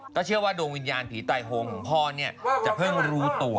ก็เชื่อว่าดวงวิญญาณผีตายโหงของพ่อจะเพิ่งรู้ตัว